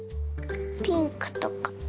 ピンクとか。